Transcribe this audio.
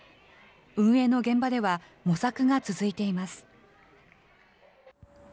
運営の現場では模索が続いています。